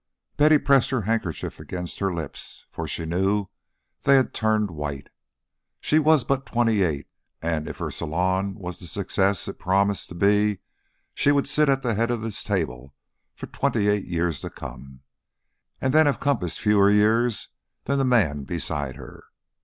Betty pressed her handkerchief against her lips, for she knew they had turned white. She was but twenty eight, and if her salon was the success it promised to be she would sit at the head of this table for twenty eight years to come, and then have compassed fewer years than the man beside her.